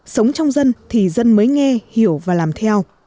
sống trong dân thì dân mới nghe hiểu và làm theo